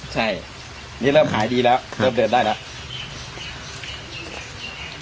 ใช่นี่เริ่มขายดีแล้วเริ่มเดินได้แล้ว